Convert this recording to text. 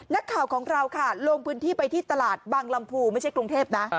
นักข่าวของเราค่ะลงพื้นที่ไปที่ตลาดบางลำพูไม่ใช่กรุงเทพนะ